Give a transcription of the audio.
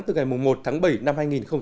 từ ngày một tháng bảy năm hai nghìn một mươi tám